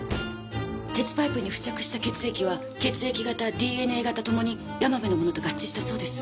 鉄パイプに付着した血液は血液型ＤＮＡ型ともに山辺のものと合致したそうです。